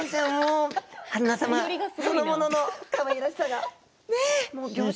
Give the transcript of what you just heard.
春菜様そのもののかわいらしさが。